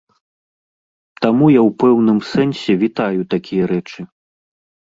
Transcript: Таму я ў пэўным сэнсе вітаю такія рэчы.